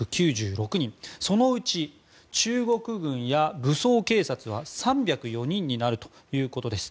そのうち中国軍や武装警察は３０４人になるということです。